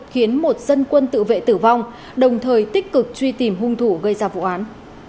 khiến một dân quân tự vệ tử vong đồng thời tích cực truy tìm hung thủ gây ra vụ án